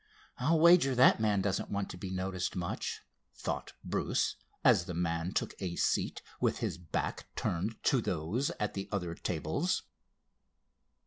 "I'll wager that man doesn't want to be noticed much," thought Bruce, as the man took a seat with his back turned to those at the other tables.